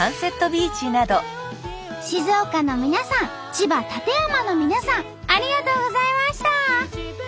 静岡の皆さん千葉館山の皆さんありがとうございました。